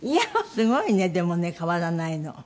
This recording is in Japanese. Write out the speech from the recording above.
すごいねでもね変わらないの。